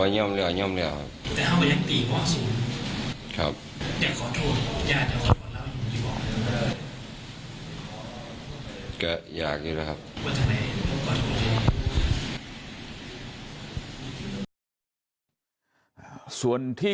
อยากขอโทษยังไง